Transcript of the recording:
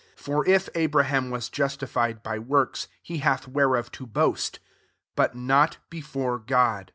2 For if Abraham was justified by works he hath whereof to boast:" " but not before God.